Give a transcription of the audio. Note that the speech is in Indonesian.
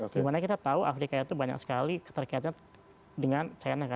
dimana kita tahu afrika itu banyak sekali keterkaitannya dengan china